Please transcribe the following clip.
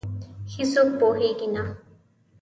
هیڅوک پوهېږې نه،